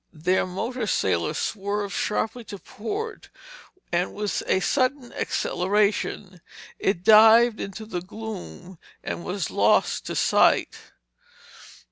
Their motor sailor swerved sharply to port, and with a sudden acceleration, it dived into the gloom and was lost to sight.